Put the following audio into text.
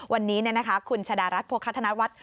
วันนี้คุณชะดารัฐโภคธนวัฒน์